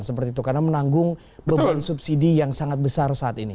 karena menanggung beban subsidi yang sangat besar saat ini